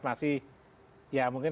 masih ya mungkin